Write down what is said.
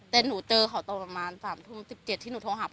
แต่หนูเจอเขาตอนประมาณ๓ทุ่ม๑๗ที่หนูโทรหาพ่อ